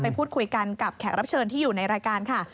พูดคุยกันกับแขกรับเชิญที่อยู่ในรายการค่ะ